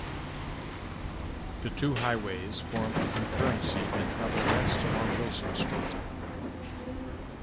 The two highways form a concurrency and travel west along Wilson Street.